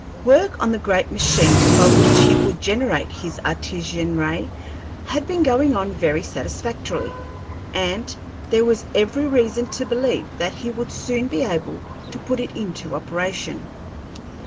Work on the great machine by which he would generate his Artesian ray had been going on very satisfactorily, and there was every reason to believe that he would soon be able to put it into operation.